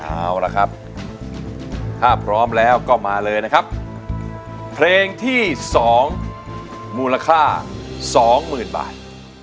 เอาละครับถ้าพร้อมแล้วก็มาเลยนะครับเพลงที่๒มูลค่าสองหมื่นบาท